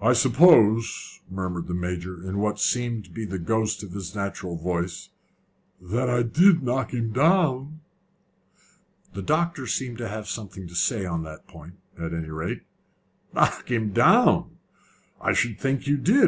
"I suppose," murmured the Major, in what seemed to be the ghost of his natural voice, "that I did knock him down?" The doctor seemed to have something to say on that point, at any rate. "Knock him down! I should think you did!